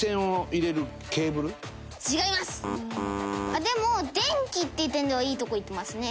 あっでも電気っていう点ではいいとこいってますね。